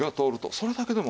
それだけでも。